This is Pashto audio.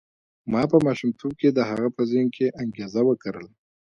ما په ماشومتوب کې د هغه په ذهن کې انګېزه وکرله.